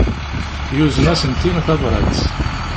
Yuzen-asent-in tabrat.